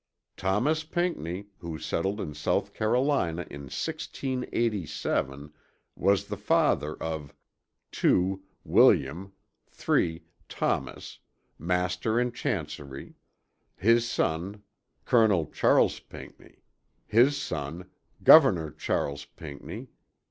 Thomas Pinckney, who settled in South Carolina in 1687, was the father of (2) (3) William, Thomas. Master in Chancery. His Son, Col. Chas. Pinckney. His Son, Governor Charles Pinckney.